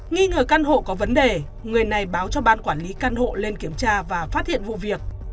nghi ngờ căn hộ có vấn đề người này báo cho ban quản lý căn hộ lên kiểm tra và phát hiện vụ việc